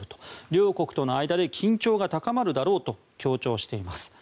両国との間で緊張が高まるだろうと強調しています。